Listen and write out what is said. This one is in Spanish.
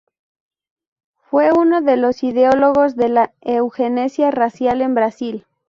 Fue uno de los ideólogos de la eugenesia racial en Brasil.